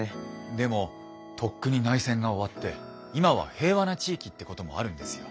でもとっくに内戦が終わって今は平和な地域ってこともあるんですよ。